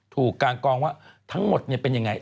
ถูกการกรองว่าทั้งหมดเป็นอย่างไร